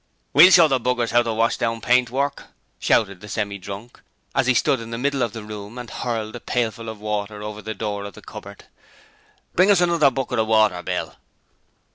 'We'll show the b s how to wash down paintwork!' shouted the Semi drunk, as he stood in the middle of the room and hurled a pailful of water over the door of the cupboard. 'Bring us another bucket of water, Bill.'